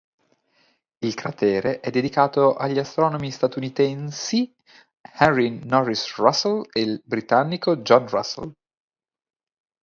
Il cratere è dedicato agli astronomi statunitense Henry Norris Russell e britannico John Russell.